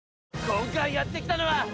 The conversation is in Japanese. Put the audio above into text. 今回やって来たのは。